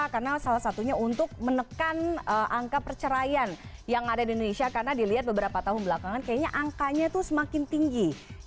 karena salah satunya untuk menekan angka perceraian yang ada di indonesia karena dilihat beberapa tahun belakangan kayaknya angkanya tuh semakin tinggi